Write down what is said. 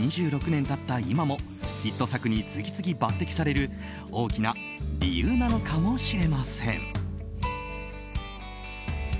２６年経った今もヒット作に次々抜擢される大きな理由なのかもしれません。